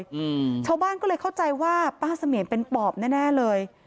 อืมชาวบ้านก็เลยเข้าใจว่าป้าเสมียนเป็นปอบแน่แน่เลย